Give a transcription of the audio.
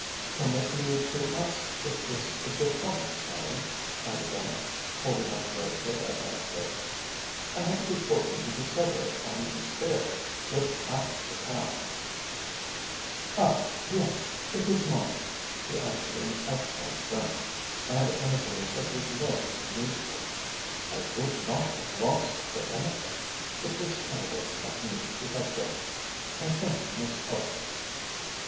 "Permit me to ask if this is your property, madam?" I began, holding out the bracelet as I spoke. "I had the good fortune to discover it on the stairs just after you passed." "Ah, yes, it is mine," she answered in excellent French, and in a voice that was low and musical. "I would not have lost it for anything. It was careless of me to have dropped it. I thank you most heartily."